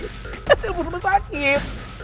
nggak telepon rumah sakit